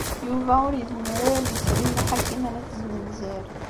Yuba ur yezmir ara ad isell i Nna Ḥakima n At Zmenzer.